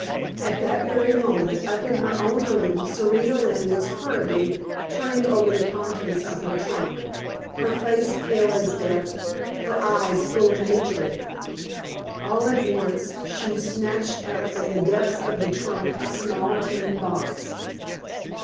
At that very moment, up in her own room, Serena Lynne was hurriedly turning over the contents of her trunk, her face pale as death, her eyes full of hatred. All at once she snatched up from the depths of the trunk a small tin box.